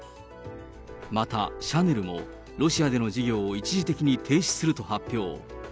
また、シャネルも、ロシアでの事業を一時的に停止すると発表。